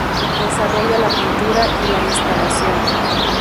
Desarrolla la pintura y la instalación.